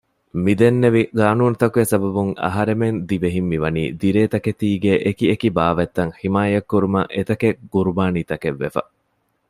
މިދެންނެވި ޤާނޫނުތަކުގެ ސަބަބުން އަހުރެމެން ދިވެހިން މިވަނީ ދިރޭތަކެތީގެ އެކިއެކި ބާވަތްތައް ޙިމާޔަތްކުރުމަށް އެތަކެއް ޤުރުބާނީތައް ވެފަ